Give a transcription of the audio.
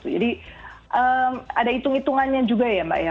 jadi ada hitung hitungannya juga ya mbak ya